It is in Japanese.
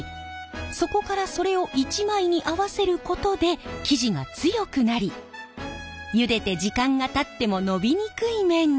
そこからそれを１枚に合わせることで生地が強くなりゆでて時間がたっても伸びにくい麺に。